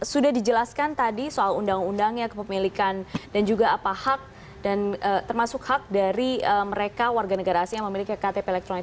sudah dijelaskan tadi soal undang undangnya kepemilikan dan juga apa hak dan termasuk hak dari mereka warga negara asing yang memiliki ktp elektronik